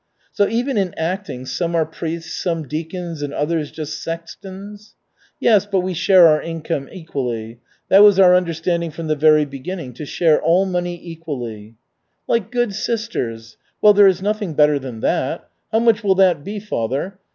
"So even in acting some are priests, some deacons and others just sextons?" "Yes, but we share our income equally. That was our understanding from the very beginning to share all money equally." "Like good sisters? Well, there is nothing better than that. How much will that be, father?